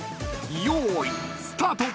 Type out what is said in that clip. ［よーいスタート！］